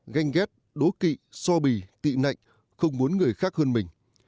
ba ganh ghét đố kị so bì tị nạnh không muốn người khác hơn mình